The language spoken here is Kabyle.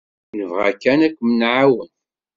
Nebɣa kan ad kem-nɛawen.